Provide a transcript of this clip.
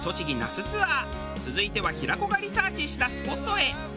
続いては平子がリサーチしたスポットへ。